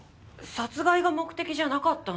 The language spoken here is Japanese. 殺害が目的じゃなかったんですか？